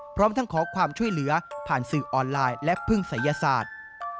พร้อมทั้งขอความช่วยเหลือผ่านสื่อออนไลน์และพึ่งศัยศาสตร์